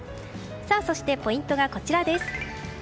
そしてポイントが、こちらです。